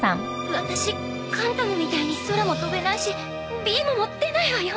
ワタシカンタムみたいに空も飛べないしビームも出ないわよ。